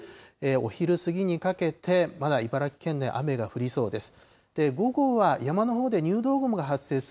お昼過ぎにかけて、まだ茨城県内は雨が降りそうです。